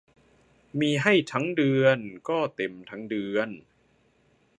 มีให้ทั้งเดือนก็เต็มทั้งเดือน